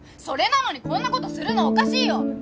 それなのにこんな事するのおかしいよ。